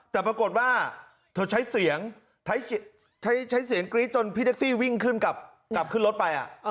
แต่ปรากฏว่าเธอใช้เสียงใช้เสียงกรี๊ดจนพี่แท็กซี่วิ่งขึ้นกลับขึ้นรถไป